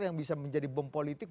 yang bisa menjadi bom politik